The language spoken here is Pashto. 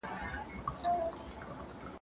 ګرم باد له خلاصې کړکۍ څخه خونې ته راننووت.